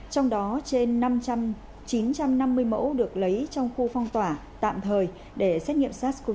trong đó trên năm chín trăm năm mươi mẫu được lấy trong khu phong tỏa tạm thời để xét nghiệm sars cov hai